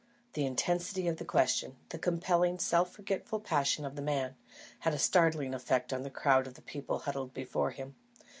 The intensity of the question, the compelling, self forgetful passion of the man, had a startling effect upon the crowd of people huddled before him.